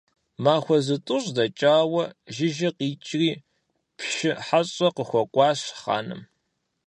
Махуэ зытӀущ дэкӀауэ, жыжьэ къикӀри, пщы хьэщӀэ къыхуэкӀуащ хъаным.